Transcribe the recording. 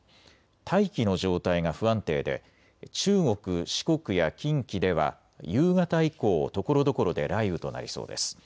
大気の状態が不安定で中国、四国や近畿では夕方以降、ところどころで雷雨となりそうです。